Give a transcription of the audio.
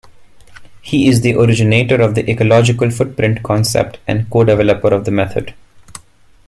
He is the originator of the "ecological footprint" concept and co-developer of the method.